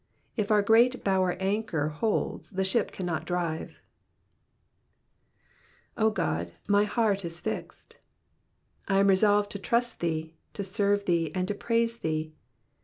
If our great bower anchor holds, the ship cannot drive. 0 Oody my heart U fixed."*^ I am resolved to trust thee, to serve thee, and to praise thee.